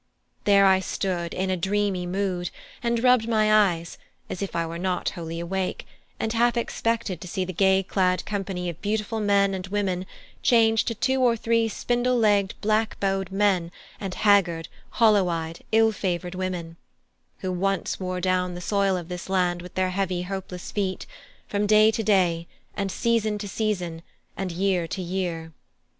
There I stood in a dreamy mood, and rubbed my eyes as if I were not wholly awake, and half expected to see the gay clad company of beautiful men and women change to two or three spindle legged back bowed men and haggard, hollow eyed, ill favoured women, who once wore down the soil of this land with their heavy hopeless feet, from day to day, and season to season, and year to year.